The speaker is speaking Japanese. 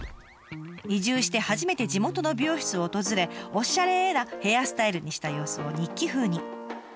移住して初めて地元の美容室を訪れおしゃれ！なヘアスタイルにした様子を日記風に。